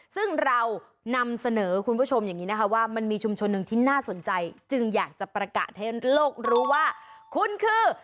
ซึ่งเรานำเสนอคุณผู้ชมอย่างนี้นะคะว่ามันมีชุมชนหนึ่งที่น่าสนใจจึงอยากจะประกาศให้โลกรู้ว่าคุณคือ